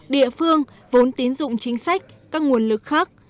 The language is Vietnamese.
địa phương vốn tín dụng chính sách các nguồn lực khác